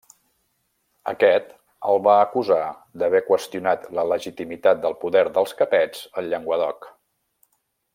Aquest el va acusar d'haver qüestionat la legitimitat del poder dels Capets al Llenguadoc.